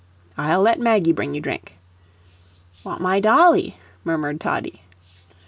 "I'll let Maggie bring you drink." "Want my dolly," murmured Toddie.